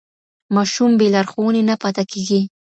ماشوم بې لارښوونې نه پاته کېږي.